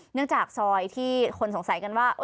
เนื่องจากซอยที่คนสงสัยกันว่า